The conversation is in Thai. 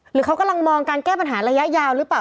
หรือเขากำลังมองการแก้ปัญหาระยะยาวหรือเปล่า